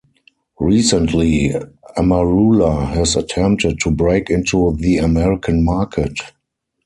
Recently, Amarula has attempted to break into the American market.